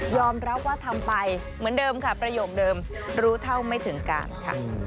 รับว่าทำไปเหมือนเดิมค่ะประโยคเดิมรู้เท่าไม่ถึงการค่ะ